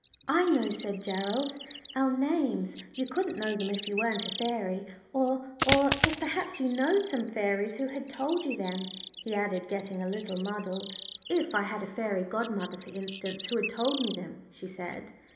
"I know," said Gerald; "our names. You couldn't know them if you weren't a fairy, or or if perhaps you knowed some fairies who had told you them," he added, getting a little muddled. "If I had a fairy godmother, for instance, who had told me them," she said.